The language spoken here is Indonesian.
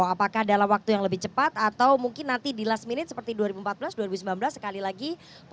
apakah dalam waktu yang lebih cepat atau mungkin nanti di last minute seperti dua ribu empat belas dua ribu sembilan belas sekali lagi